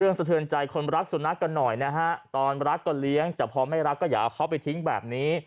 สะเทือนใจคนรักสุนัขกันหน่อยนะฮะตอนรักก็เลี้ยงแต่พอไม่รักก็อย่าเอาเขาไปทิ้งแบบนี้